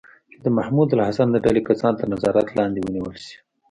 چې د محمود الحسن د ډلې کسان تر نظارت لاندې ونیول شي.